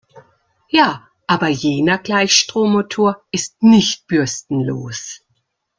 Ja, aber jener Gleichstrommotor ist nicht bürstenlos.